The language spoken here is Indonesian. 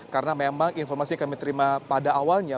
karena memang informasi yang kami terima pada awalnya